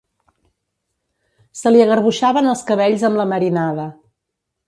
Se li agarbuixaven els cabells amb la marinada.